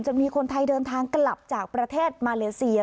จะมีคนไทยเดินทางกลับจากประเทศมาเลเซีย